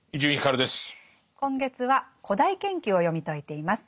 今月は「古代研究」を読み解いています。